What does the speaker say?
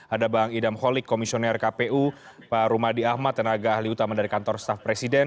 ada bang idam holik komisioner kpu pak rumadi ahmad tenaga ahli utama dari kantor staff presiden